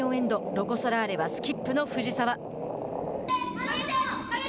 ロコ・ソラーレはスキップの藤澤。